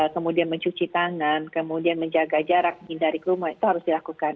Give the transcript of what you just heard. kemudian mencuci tangan kemudian menjaga jarak ingin dari kerumun itu harus dilakukan